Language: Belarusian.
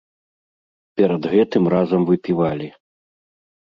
Перад гэтым разам выпівалі.